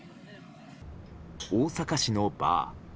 大阪市のバー。